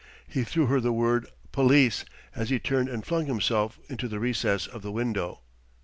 He threw her the word "Police!" as he turned and flung himself into the recess of the window.